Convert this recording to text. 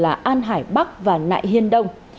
an hải bắc và nại hiên đông